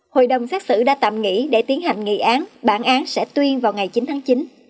hội đồng xét xử đã tạm nghỉ để tiến hành nghị án bản án sẽ tuyên vào ngày chín tháng chín